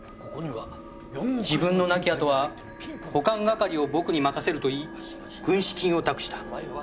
自分の亡き後は保管係を僕に任せると言い軍資金を託した。